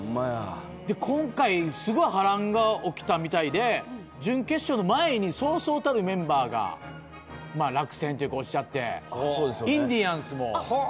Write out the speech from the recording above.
今回、すごい波乱が起きたみたいで、準決勝の前に、そうそうたるメンバーが落選というか、落ちちゃって、インディアンスも。